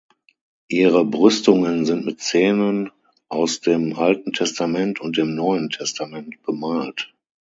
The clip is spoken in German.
Ihre Brüstungen sind mit Szenen aus dem Alten Testament und dem Neuen Testament bemalt.